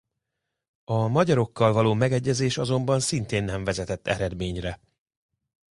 A magyarokkal való megegyezés azonban szintén nem vezetett eredményre.